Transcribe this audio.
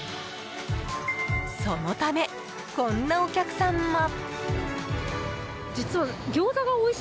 そのため、こんなお客さんも。